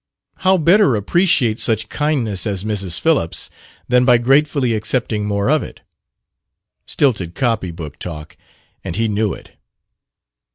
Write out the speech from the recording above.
How better appreciate such kindness as Mrs. Phillips' than by gratefully accepting more of it?" (Stilted copy book talk; and he knew it.)